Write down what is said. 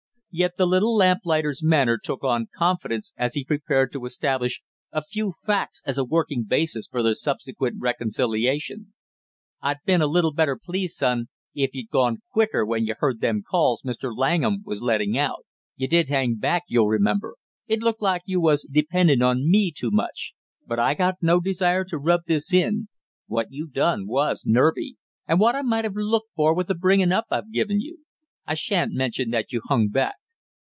Yet the little lamplighter's manner took on confidence as he prepared to establish a few facts as a working basis for their subsequent reconciliation. "I'd been a little better pleased, son, if you'd gone quicker when you heard them calls Mr. Langham was letting out; you did hang back, you'll remember it looked like you was depending on me too much; but I got no desire to rub this in. What you done was nervy, and what I might have looked for with the bringing up I've given you. I shan't mention that you hung back."